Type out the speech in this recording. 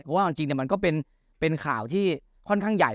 เพราะว่าจริงมันก็เป็นข่าวที่ค่อนข้างใหญ่